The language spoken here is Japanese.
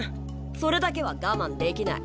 それだけは我慢できない。